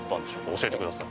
教えてください。